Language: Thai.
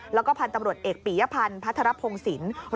แล้วก็พันธุ์ตำรวจเอกปียพันธ์พัทรพงศิลป์